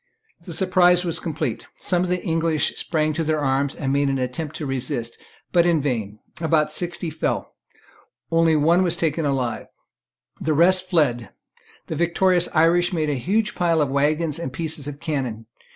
The surprise was complete. Some of the English sprang to their arms and made an attempt to resist, but in vain. About sixty fell. One only was taken alive. The rest fled. The victorious Irish made a huge pile of waggons and pieces of cannon.